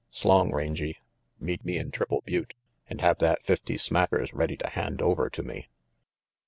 S'long, Rangy. Meet me in Triple Butte, and have that fifty smackers ready to hand over to me."